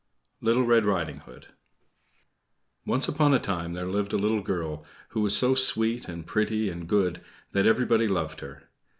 LITTLE RED RIDING HOOD Once upon a time there lived a little girl, who was so sweet and pretty and good that everybody loved her.